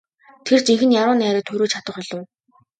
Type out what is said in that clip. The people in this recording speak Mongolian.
Тэр жинхэнэ яруу найраг туурвиж чадах болов уу?